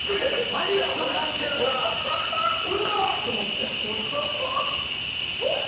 パニックになってるからうわっ！と思ってさ。